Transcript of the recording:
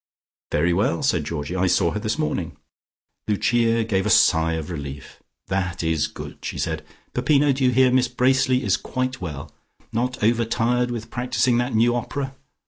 "Very well," said Georgie. "I saw her this morning." Lucia gave a sigh of relief. "That is good," she said. "Peppino, do you hear? Miss Bracely is quite well. Not overtired with practising that new opera?